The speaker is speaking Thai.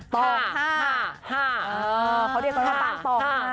เพราะเดี๋ยวก็ตอบ๕